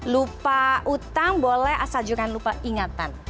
lupa utang boleh asal jangan lupa ingatan